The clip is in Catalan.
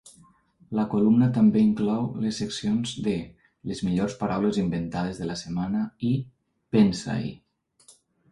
La columna també inclou les seccions de "Les millors paraules inventades de la setmana" i "Pensa-hi".